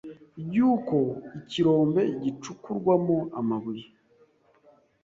y’uko ikirombe gicukurwamo amabuye